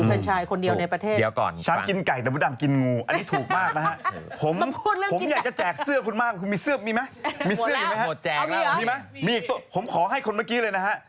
มีอีกตัวผมขอให้คนเมื่อกี้เลยนะฮะ